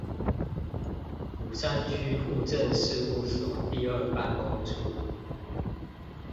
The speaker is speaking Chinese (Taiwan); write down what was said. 鼓山區戶政事務所第二辦公處